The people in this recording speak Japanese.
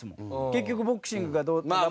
結局ボクシングがどうとか。